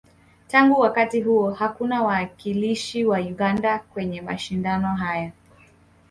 Tangu wakati huo, hakuna wawakilishi wa Uganda kwenye mashindano haya.